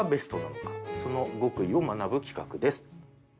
その極意を学ぶ企画です。